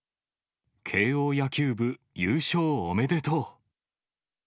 慶応野球部、優勝おめでとう！